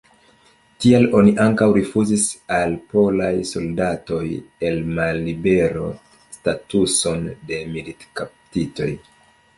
Tial oni ankaŭ rifuzis al polaj soldatoj en mallibero statuson de militkaptitoj.